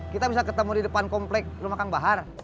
kita bisa ketemu di depan komplek rumah kang bahar